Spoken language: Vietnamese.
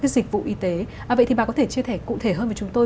dịch vụ y tế vậy thì bà có thể chia sẻ cụ thể hơn với chúng tôi